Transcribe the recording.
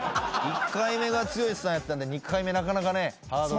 １回目が剛さんやったんで２回目なかなかねハードルが。